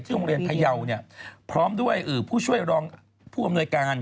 โรงเรียนพยาวเนี่ยพร้อมด้วยผู้ช่วยรองผู้อำนวยการ